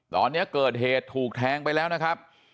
ตอนนี้เกิดเหตุถูกแทงไปแล้วนะครับ